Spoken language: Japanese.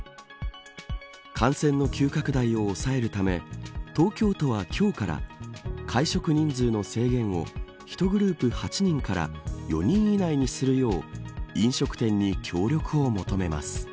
感染の急拡大を抑えるため東京都は今日から会食人数の制限を１グループ８人から４人以内にするよう飲食店に協力を求めます。